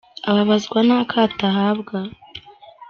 Ababazwa n’akato ahabwa